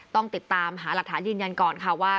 ต้องติดตามหาหลักฐานยืนยันก่อนค่ะว่า